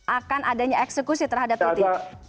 akan adanya eksekusi terhadap titi